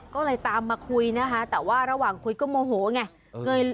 ก็เลยตามมาคุยนะคะแต่ว่าระหว่างคุยก็โมโหไง